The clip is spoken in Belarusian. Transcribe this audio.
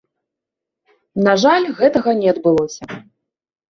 На жаль, гэтага не адбылося.